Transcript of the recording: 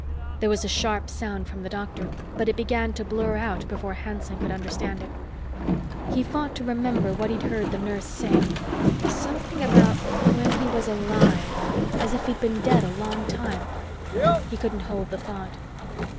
There was a sharp sound from the doctor, but it began to blur out before Hanson could understand it. He fought to remember what he'd heard the nurse say something about when he was alive as if he'd been dead a long time.... He couldn't hold the thought.